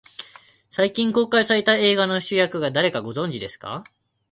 最近公開された映画の主役が誰か、ご存じですか。